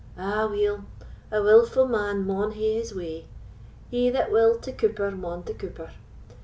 Aweel! a wilful man maun hae his way: he that will to Cupar maun to Cupar.